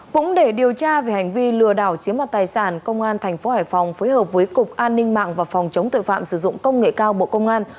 cũng để điều tra về hành vi lừa đảo chiếm mặt tài sản công an tp hải phòng phối hợp với cục an ninh mạng và phòng chống tội phạm sử dụng công nghệ cao bộ công an